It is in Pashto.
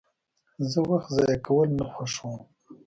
زه وخت ضایع کول نه خوښوم.